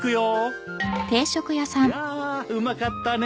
いやーうまかったね。